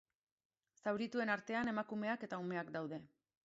Zaurituen artean emakumeak eta umeak daude.